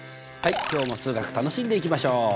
はい今日も数学楽しんでいきましょう。